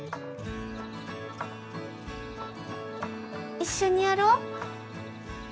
一緒にやろう！